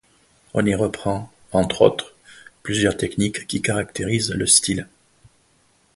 On y reprend, entre autres, plusieurs techniques qui caractérisent le style.